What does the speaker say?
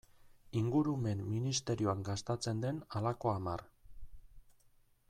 Ingurumen ministerioan gastatzen den halako hamar.